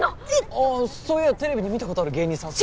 ああそういやテレビで見た事ある芸人さんすね。